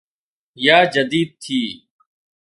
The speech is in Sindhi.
يا جديد ٿي